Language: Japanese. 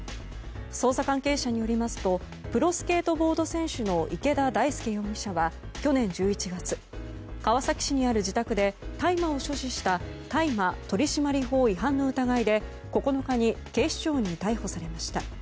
捜査関係者によりますとプロスケートボード選手の池田大亮容疑者は去年１１月川崎市にある自宅で大麻を所持した大麻取締法違反の疑いで９日に警視庁に逮捕されました。